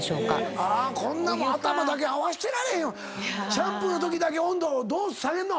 シャンプーのときだけ温度をどう下げんの⁉